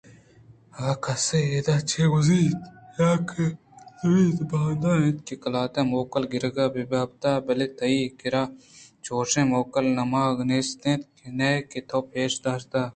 اگاں کسے اِدا چہ گوٛزیت یاکہ داریت بائد اِنت کہ قلات ءَ موکل گرگ بہ بیت بلئے تئی کِرّ ءَ چوشیں موکل نامگ ءِ نیست ءُنئےکہ تو پیش داشتگ